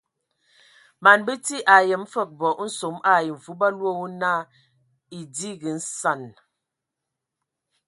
Man bəti ayəm fəg bɔ nsom ai mvu ba loe wo na edigi nsan.